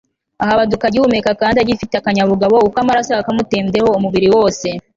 ahabaduka agihumeka kandi agifite akanyabugabo uko amaraso yakamutembyeho umubiri wose